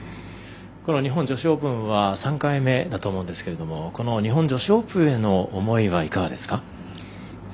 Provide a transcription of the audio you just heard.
この日本女子オープンは３回目だと思うんですけれどもこの日本女子オープンへの思いはいかがですか？